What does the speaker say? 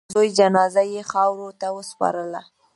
د زوی جنازه یې خاورو ته وسپارله.